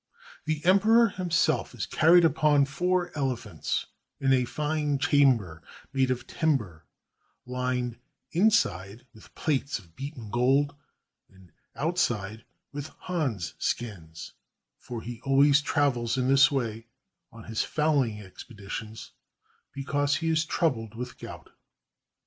The emperor himself is carried upon four elephants in a fine chamber made of timber, lined inside with plates of beaten gold, and outside with Hons' skins, for he always travels in this way on his fowling expeditions because he is troubled with gout.